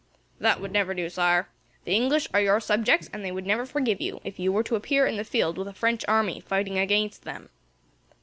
"That would never do, Sire. The English are your subjects, and they would never forgive you, if you were to appear in the field with a French army, fighting against them."